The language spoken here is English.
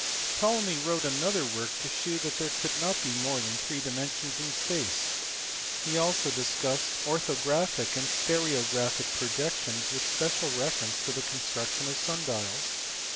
Ptolemy wrote another work to shew that there could not be more than three dimensions in space: he also discussed orthographic and stereographic projections with special reference to the construction of sun dials.